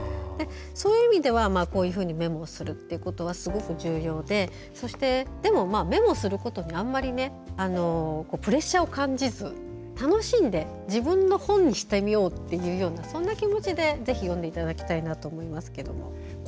そういう意味ではこういうふうにメモすることはすごく重要であんまりプレッシャーを感じず楽しんで自分の本にしてみようというそんな気持ちでぜひ読んでいただきたいなと思いますけど。